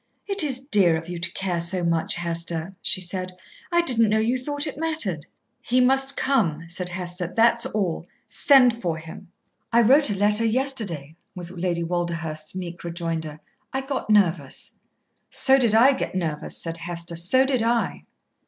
"It is dear of you to care so much, Hester," she said. "I didn't know you thought it mattered." "He must come," said Hester. "That's all. Send for him." "I wrote a letter yesterday," was Lady Walderhurst's meek rejoinder. "I got nervous." "So did I get nervous," said Hester; "so did I."